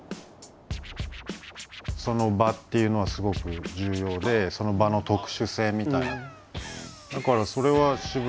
その場っていうのはすごく重要でその場の特殊性みたいな。